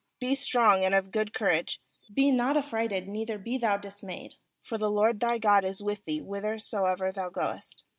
Be strong and of good courage; be not affrighted, neither be thou dismayed; for the LORD thy God is with thee whithersoever thou goest.'